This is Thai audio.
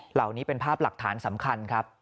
เหล่านี้เป็นภาพหลักฐานสำคัญครับ